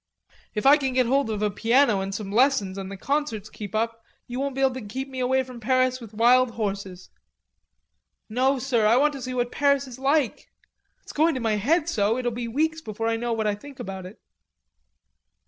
"If I can get hold of a piano and some lessons and the concerts keep up you won't be able to get me away from Paris with wild horses. No, sir, I want to see what Paris is like.... It's going to my head so it'll be weeks before I know what I think about it."